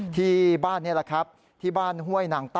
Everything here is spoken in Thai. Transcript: ที่บ้านนี้แหละครับที่บ้านห้วยนางใต้